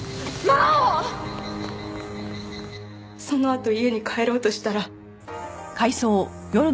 そのあと家に帰ろうとしたら。